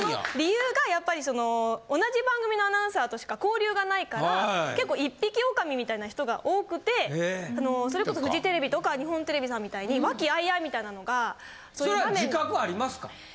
理由がやっぱりその同じ番組のアナウンサーとしか交流がないから結構一匹狼みたいな人が多くてそれこそフジテレビとか日本テレビさんみたいに和気あいあいみたいなのが。それ自覚ありますか？